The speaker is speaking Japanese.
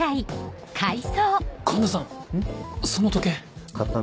環田さん！